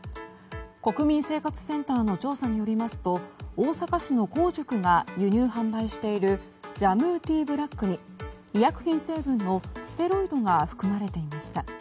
国民生活センターの調査によりますと大阪市の香塾が輸入・販売しているジャムー・ティー・ブラックに医薬品成分のステロイドが含まれていました。